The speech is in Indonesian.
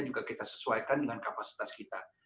juga kita sesuaikan dengan kapasitas kita